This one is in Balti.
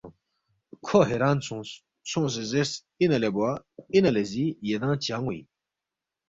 کھو حیران سونگس، سونگسے زیرس، اِنا لے بوا اِنا لے زی یدانگ چا ن٘وے اِن؟